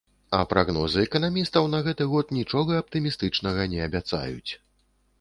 А прагнозы эканамістаў на гэты год нічога аптымістычнага не абяцаюць.